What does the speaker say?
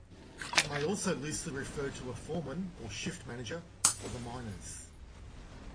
It may also loosely refer to a foreman or shift manager for the miners.